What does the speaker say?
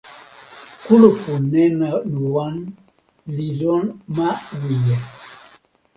kulupu nena Nuwan li lon ma Wije.